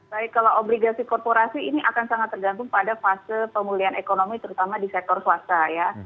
baik kalau obligasi korporasi ini akan sangat tergantung pada fase pemulihan ekonomi terutama di sektor swasta ya